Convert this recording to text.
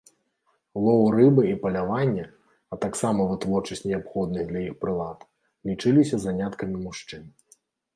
Лоў рыбы і паляванне, а таксама вытворчасць неабходных для іх прылад, лічыліся заняткамі мужчын.